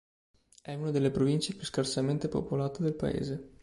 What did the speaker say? È una delle province più scarsamente popolate del paese.